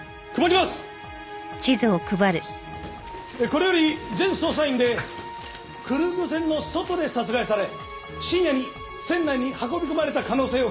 これより全捜査員でクルーズ船の外で殺害され深夜に船内に運び込まれた可能性を検証する。